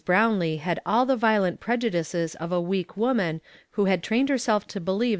o ,a'e> hal all the vio lent prejudices of a \v ■:':■>:; i ' .ho hud trained herself to believe t'.